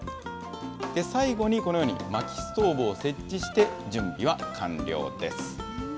最後にこのようにまきストーブを設置して、準備は完了です。